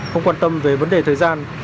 không quan tâm về vấn đề thời gian